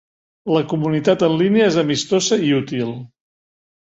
La comunitat en línia és amistosa i útil.